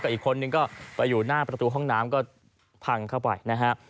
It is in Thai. อีกคนนึงก็ไปอยู่หน้าประตูห้องน้ำก็พังเข้าไปนะฮะ